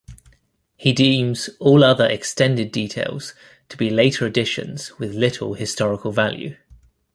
He deems all other extended details to be later additions with little historical value.